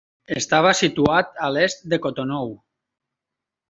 Estava situat a l'est de Cotonou.